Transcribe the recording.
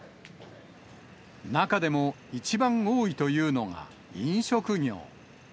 中でも一番多いというのが飲食業。